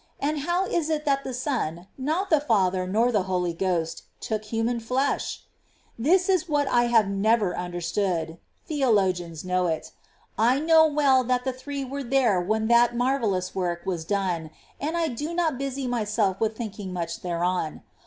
and how is it that the Son, not the Father, nor the Holy Ghost, took human flesh ? This is what I have never understood ; theologians know it. I know well that the Three were there when that marvellous work was done, and I do not busy myself with much thinking thereon.